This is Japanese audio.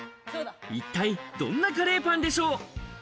一体どんなカレーパンでしょう。